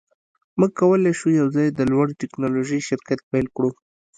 موږ کولی شو یوځای د لوړې ټیکنالوژۍ شرکت پیل کړو